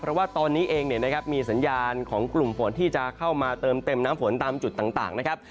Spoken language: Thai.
เพราะว่าตอนนี้เองเนี่ยนะครับมีสัญญาณของกลุ่มฝนที่จะเข้ามาเติมเต็มน้ำฝนตามจุดต่างนะครับ